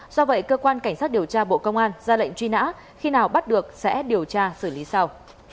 do vậy cơ quan cảnh sát điều tra bộ công an ra lệnh truy nã khi nào bắt được sẽ điều tra xử lý sau